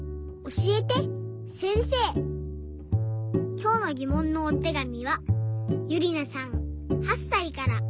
きょうのぎもんのおてがみはゆりなさん８さいから。